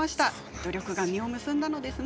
努力が実を結んだのですね。